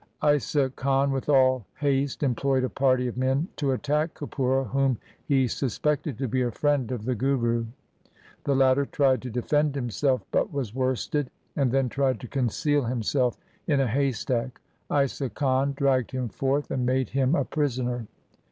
Isa Khan with all haste employed a party of men to attack Kapura, whom he suspected to be a friend of the Guru. The latter tried to defend himself, but was worsted, and then tried to conceal himself in a haystack. Isa Khan dragged him forth, and made him a prisoner.